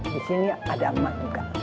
disini ada emak juga